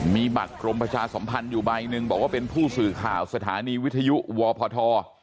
มีบัตรกรมประชาสัมพันธ์อยู่ใบหนึ่งบอกว่าเป็นผู้สื่อข่าวสถานีวิทยุวพท